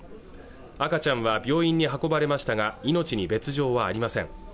赤ちゃんは病院に運ばれましたが命に別状はありません